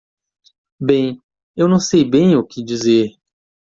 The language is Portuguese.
Bem, eu não sei bem o que dizer.